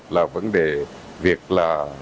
là vấn đề việc là